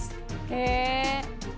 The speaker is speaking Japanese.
へえ。